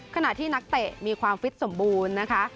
ขณะที่นักเตะมีความฟิตสมบูรณ์นะคะ